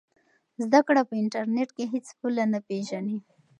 زده کړه په انټرنیټ کې هېڅ پوله نه پېژني.